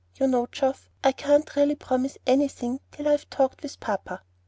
You know, Geoff, I can't really promise anything till I've talked with papa."